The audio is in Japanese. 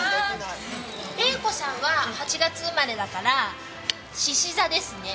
麗子さんは８月生まれだから獅子座ですね。